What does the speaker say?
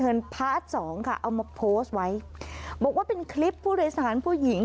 เอามาโพสต์ไว้บอกว่าเป็นคลิปผู้โดยสารผู้หญิง